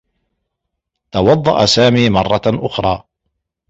توضّأ سامي مرّة أخرى.